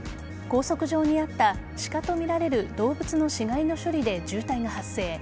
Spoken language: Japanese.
高速上にあった鹿とみられる動物の死骸の処理で渋滞が発生。